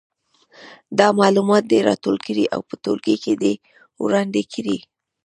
دا معلومات دې راټول کړي او په ټولګي کې دې وړاندې کړي.